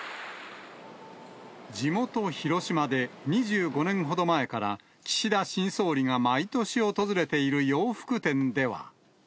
地元、広島で、２５年ほど前から岸田新総理が毎年訪れている洋服店では。